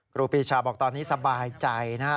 กรูพิชาบอกตอนนี้สบายใจนะฮะ